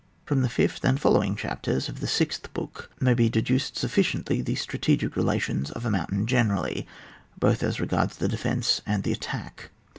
/ From the fifth and following chapters of the sixth book, may be deduced suffi ciently the strategic relations of a moun tain generally, both as regards the de fence and the attack.